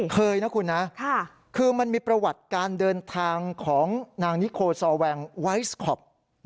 เคยนะคุณนะคือมันมีประวัติการเดินทางของนางนิโคซอแวงไวสคอป